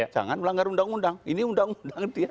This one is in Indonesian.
jangan melanggar undang undang ini undang undang